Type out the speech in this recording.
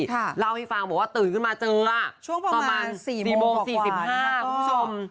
ค่ะเล่าให้ฟังบอกว่าตื่นขึ้นมาเจอช่วงประมาณ๔โมง๔๕คุณผู้ชม